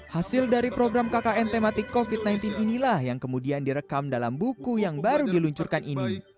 hasil dari program kkn tematik covid sembilan belas inilah yang kemudian direkam dalam buku yang baru diluncurkan ini